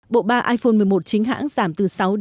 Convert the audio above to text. bộ ba iphone một mươi một chính hãng giảm từ sáu chín